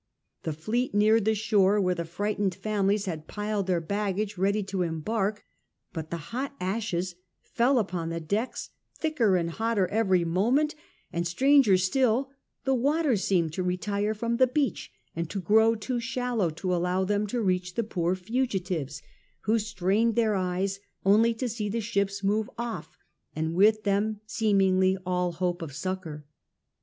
The fleet neared the shore, where the frightened families had piled their baggage ready to embark ; but the hot ashes fell upon the decks, thicker and hotter every moment, and, stranger still, the waters seemed to retire from the beach and to grow too shallow to allow them to reach the poor fugitives, who strained their eyes only to see the ships move off, and with them seemingly all hope of succour.